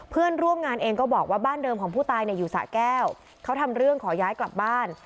เพื่อนร่วมงานเองก็บอกว่าบ้านเดิมของผู้ตายเนี่ยอยู่สะแก้วเขาทำเรื่องขอย้ายกลับบ้าน